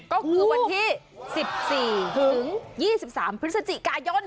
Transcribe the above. ก็คือวันที่๑๔ถึง๒๓พฤศจิกายน